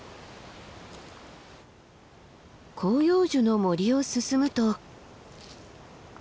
広葉樹の森を進むと。